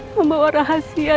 membawa rahasia yang